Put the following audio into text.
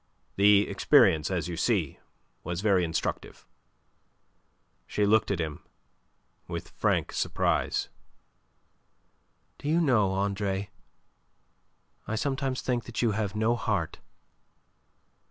The experience, as you see, was very instructive." She looked at him in frank surprise. "Do you know, Andre, I sometimes think that you have no heart."